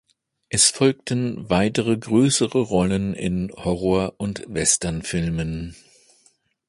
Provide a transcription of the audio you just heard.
Es folgten weitere größere Rollen in Horror- und Westernfilmen.